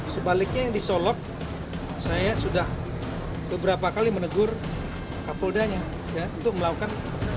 sebaliknya yang di solok saya sudah beberapa kali menegur kapoldanya untuk melakukan